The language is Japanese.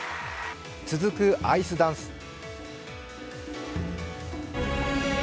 続くアイスダンス。